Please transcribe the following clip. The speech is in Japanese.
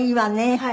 はい。